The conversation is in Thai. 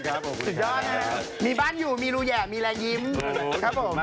ขอให้มีบ้านอยู่มีรูแห่มีแรงยิ้มนะครับผม